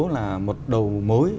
là một đầu mối